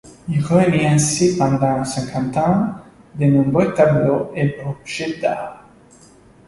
Il réunit ainsi pendant cinquante ans de nombreux tableaux et objets d'art.